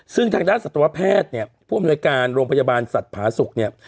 ซึ่งทางด้านสัตวแพทย์เนี่ยผู้อำนวยการโรงพยาบาลสัตว์ผาสุกเนี่ย